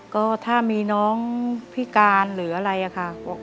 ก็ถ้ามีน้องพิการหรืออะไรค่ะ